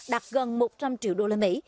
đạt gần một trăm linh triệu đô la mỹ